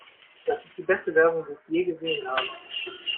Das ist die beste Werbung, die ich je gesehen habe!